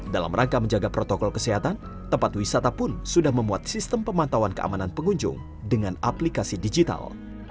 dalam rangka menjaga protokol kesehatan tempat wisata pun sudah memuat sistem pemantauan keamanan pengunjung dengan aplikasi digital